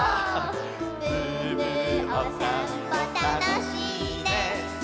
「ブーブーおさんぽたのしいね」